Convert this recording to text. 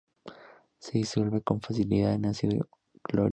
Se disuelve con facilidad en ácido clorhídrico.